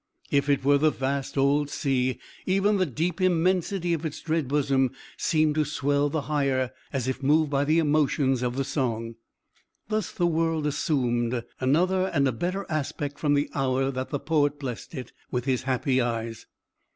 If it were the vast old sea, even the deep immensity of its dread bosom seemed to swell the higher, as if moved by the emotions of the song. Thus the world assumed another and a better aspect from the hour that the poet blessed it with his happy eyes.